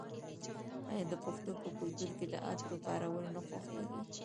آیا د پښتنو په کلتور کې د عطرو کارول نه خوښیږي؟